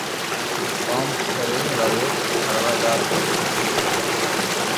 ڪوم ڪرين وري پڙوا جاتو